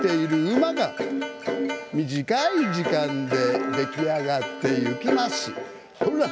馬が短い時間で出来上がっていきます。